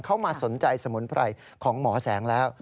เขามาสนใจสมุนไพรของหมอแสงแล้ว